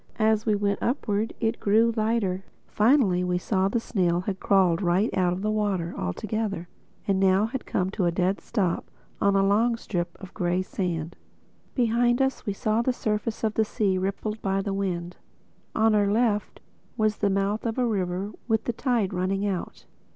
As we went upward it grew lighter. Finally we saw that the snail had crawled right out of the water altogether and had now come to a dead stop on a long strip of gray sand. Behind us we saw the surface of the sea rippled by the wind. On our left was the mouth of a river with the tide running out.